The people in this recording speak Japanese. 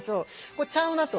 これちゃうなと。